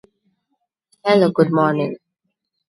The number is given to all Indonesian citizen.